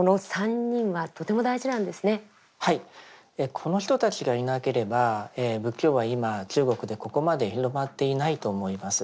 この人たちがいなければ仏教は今中国でここまで広まっていないと思います。